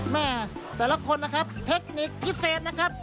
แม่แต่ละคนนะครับเทคนิคพิเศษนะครับ